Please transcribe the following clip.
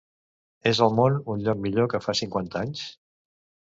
És el món un lloc millor que fa cinquanta anys?